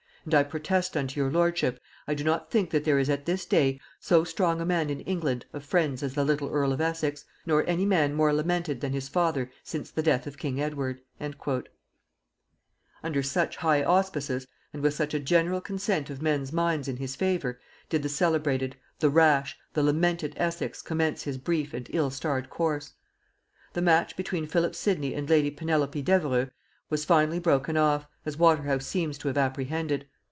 And I protest unto your lordship, I do not think that there is at this day so strong a man in England of friends as the little earl of Essex; nor any man more lamented than his father since the death of king Edward." [Note 80: "Sidney Papers."] Under such high auspices, and with such a general consent of men's minds in his favor, did the celebrated, the rash, the lamented Essex commence his brief and ill starred course! The match between Philip Sidney and lady Penelope Devereux was finally broken off, as Waterhouse seems to have apprehended.